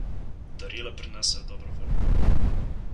Darila prinesejo dobro voljo.